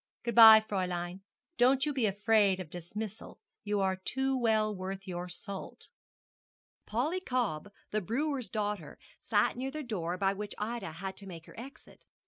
Good bye, Fräulein; don't you be afraid of dismissal, you are too well worth your salt.' Polly Cobb, the brewer's daughter, sat near the door by which Ida had to make her exit.